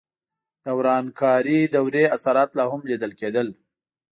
د ورانکارې دورې اثرات لا هم لیدل کېدل.